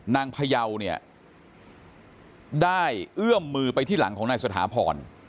พยาวเนี่ยได้เอื้อมมือไปที่หลังของนายสถาพร